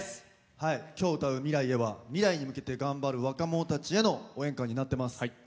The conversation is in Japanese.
今日歌う「未来へ」は、未来に向かう若者たちへの応援歌になってます。